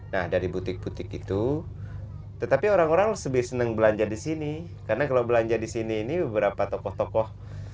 nah dari butik butik itu tetapi orang orang lebih senang belanja di sini karena kalau belanja di sini ini beberapa tokoh tokoh